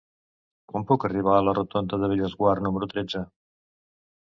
Com puc arribar a la rotonda de Bellesguard número tretze?